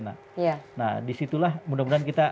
nah disitulah mudah mudahan kita